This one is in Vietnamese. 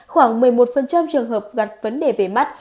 khoảng một mươi một trường hợp gặp vấn đề về mắt